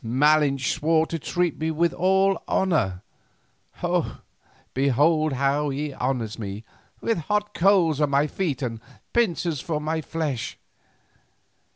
Malinche swore to treat me with all honour; behold how he honours me, with hot coals for my feet and pincers for my flesh.